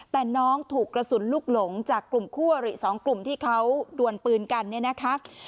แต่น้องถูกกระสุนลูกหลงจากกลุ่มคู่อริสองกลุ่มที่เขาดวนปืนกันเนี่ยนะคะ